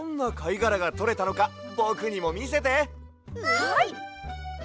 はい！